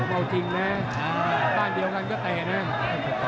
เออเอาจริงแม่บ้านเดียวกันก็เตะเนี่ย